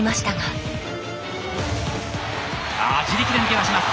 ああ自力で抜け出します。